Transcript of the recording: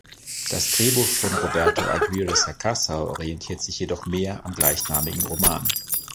Das Drehbuch von Roberto Aguirre-Sacasa orientiert sich jedoch mehr am gleichnamigen Roman.